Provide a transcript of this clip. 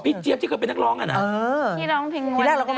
พี่เจี๊ยบที่เคยเป็นนักร้องอ่ะนะ